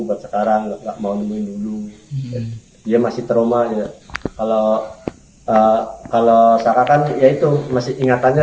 buat sekarang enggak mau nemuin dulu dia masih trauma ya kalau kalau saka kan ya itu masih ingat aja